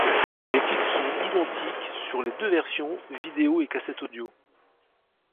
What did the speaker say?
Les titres sont identiques sur les deux versions, vidéo et cassette audio.